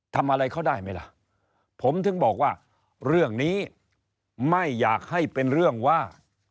ทำอะไรเขาได้ไหมล่ะผมถึงบอกว่าเรื่องนี้ไม่อยากให้เป็นเรื่องว่า